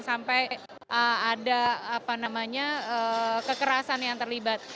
sampai ada kekerasan yang terlibat